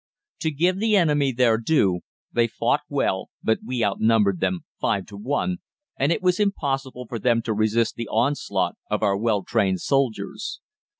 To give the enemy their due, they fought well, but we outnumbered them five to one, and it was impossible for them to resist the onslaught of our well trained soldiers.